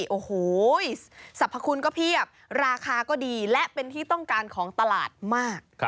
โอ้โหสรรพคุณก็เพียบราคาก็ดีและเป็นที่ต้องการของตลาดมาก